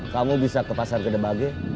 kamu bisa ke pasar gede bage